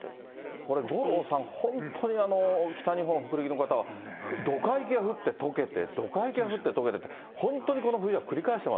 これ、五郎さん、本当に北日本、北陸の方はどか雪が降って、とけて、どか雪が降ってとけてって、本当にこの冬は繰り返してま